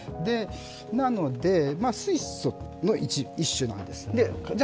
なので、水素の一種なんです。